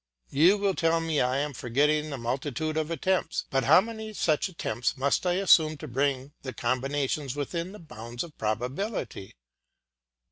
You will tell me I am forgetting the multitude of attempts. But how many such attempts must I assume to bring the combination within the bounds of probability?